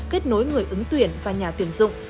kết nối người ứng tuyển và nhà tuyển dụng